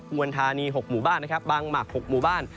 วลธานี๖หมู่บ้านนะครับบางหมาก๖หมู่บ้าน